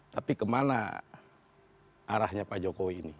tapi kemana arahnya pak jokowi ini